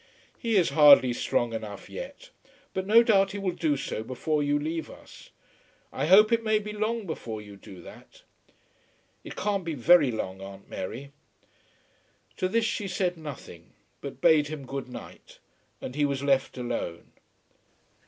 "He is hardly strong enough yet. But no doubt he will do so before you leave us. I hope it may be long before you do that." "It can't be very long, Aunt Mary." To this she said nothing, but bade him good night and he was left alone.